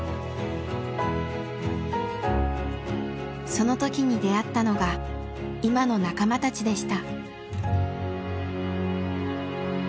その時に出会ったのが今の仲間たちでした。